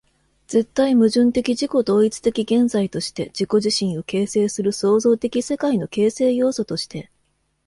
絶対矛盾的自己同一的現在として、自己自身を形成する創造的世界の形成要素として、